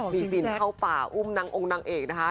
มีซินเข้าป่าอุ้มนางองค์นางเอกนะคะ